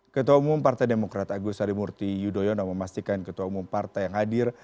ketua umum partai demokrat agus harimurti yudhoyono memastikan ketua umum partai yang hadir